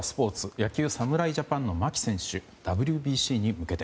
野球、侍ジャパンの牧選手ＷＢＣに向けて。